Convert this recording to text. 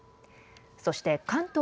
そして関東